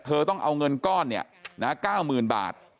เธอต้องเอาเงินก้อนเนี่ยนะ๙๐๐๐๐บาท